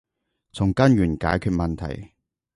從根源解決問題